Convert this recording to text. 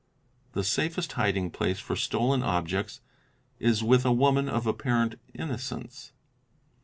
The safest hiding place for stolen objects is with a woman of apparent innocence.